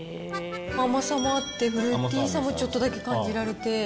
甘さもあって、フルーティーさもちょっとだけ感じられて。